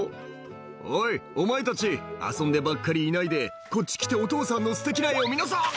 「おいお前たち遊んでばっかりいないでこっち来てお父さんのステキな絵を見なさい」